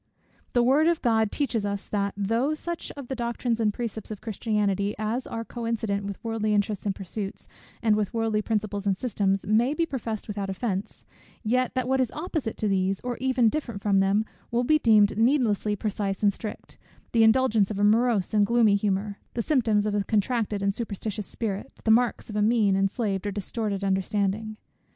The word of God teaches us, that though such of the doctrines and precepts of Christianity, as are coincident with worldly interests and pursuits, and with worldly principles and systems, may be professed without offence; yet, that what is opposite to these, or even different from them, will be deemed needlessly precise and strict, the indulgence of a morose and gloomy humour, the symptoms of a contracted and superstitious spirit, the marks of a mean, enslaved, or distorted understanding.